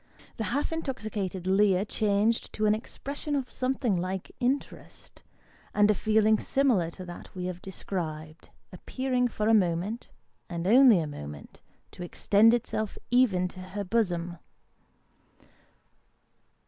The half intoxicated leer changed to an expression of something like interest, and a feeling similar to that we have described, appeared for a moment, and only a moment, to extend itself even to her bosom.